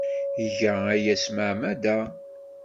Iga aya s tmeɛmada.